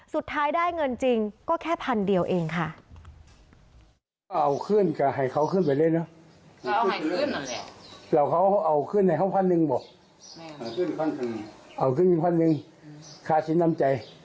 สุดท้ายได้เงินจริงก็แค่พันเดียวเองค่ะ